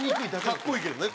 かっこいいけどね。